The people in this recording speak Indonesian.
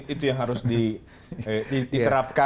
itu yang harus diterapkan